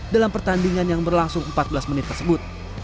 dalam pertandingan yang berlangsung empat belas menit tersebut